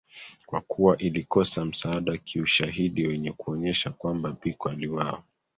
Kwa kuwa ilikosa msaada wa kiushahidi wenye kuonyesha kwamba Biko aliuawa